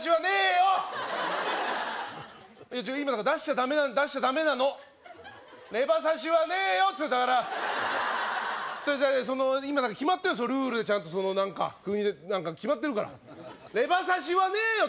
今だから出しちゃダメなの出しちゃダメなのレバ刺しはねえよってだからそれその今だから決まってんのルールちゃんとその何か国で決まってるからレバ刺しはねえよ